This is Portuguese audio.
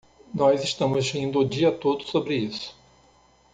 Nós estamos rindo o dia todo sobre isso.